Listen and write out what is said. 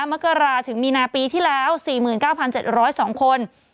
มกราถึงมีนาปีที่แล้ว๔๙๗๐๒คน